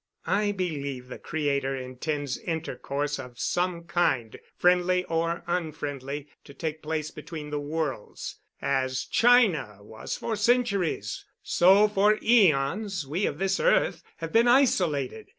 "I believe the Creator intends intercourse of some kind, friendly or unfriendly, to take place between the worlds. As China was for centuries, so for eons we of this earth have been isolated.